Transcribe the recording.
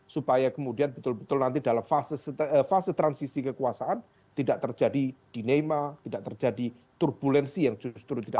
supaya kemudian betul betul nanti dalam fase transisi kekuasaan tidak terjadi dinema tidak terjadi turbulensi yang justru tidak